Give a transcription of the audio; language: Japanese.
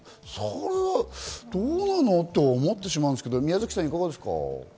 それはどうなの？と思ってしまうんですけれども、いかがですか？